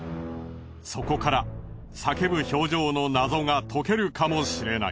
そこから叫ぶ表情の謎が解けるかもしれない。